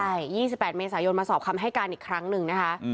ใช่๒๘เมษายนมาสอบคำให้การอีกครั้งหนึ่งนะคะ